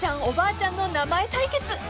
おばあちゃんの名前対決］